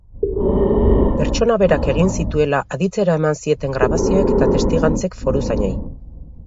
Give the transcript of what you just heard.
Pertsona berak egin zituela aditzera eman zieten grabazioek eta testigantzek foruzainei.